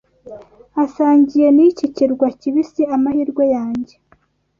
asangiye n'iki kirwa kibisi amahirwe yanjye